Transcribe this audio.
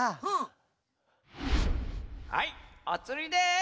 はいおつりです！